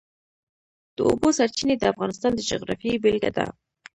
د اوبو سرچینې د افغانستان د جغرافیې بېلګه ده.